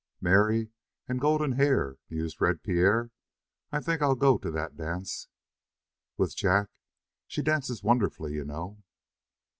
"Mary, and golden hair," mused Red Pierre. "I think I'll go to that dance." "With Jack? She dances wonderfully, you know."